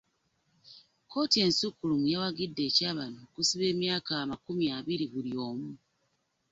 Kkooti ensukkulumu yawagidde ekya bano okusibwa emyaka amakumi abiri buli omu